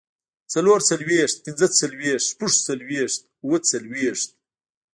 څلورڅلوېښت، پينځهڅلوېښت، شپږڅلوېښت، اووهڅلوېښت